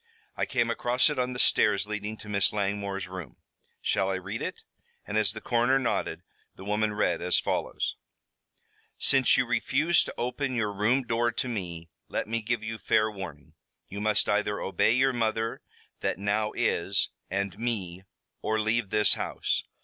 "I came across it on the stairs leading to Miss Langmore's room. Shall I read it?" And as the coroner nodded, the woman read as follows: "Since you refuse to open your room door to me, let me give you fair warning. You must either obey your mother that now is, and me, or leave this house.